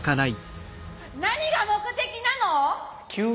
何が目的なの！？